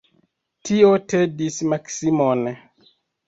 Tio tedis Maksimon.